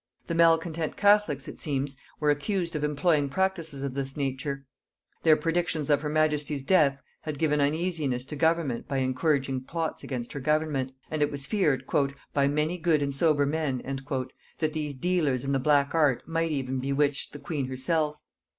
The malcontent catholics, it seems, were accused of employing practices of this nature; their predictions of her majesty's death had given uneasiness to government by encouraging plots against her government; and it was feared, "by many good and sober men," that these dealers in the black art might even bewitch the queen herself.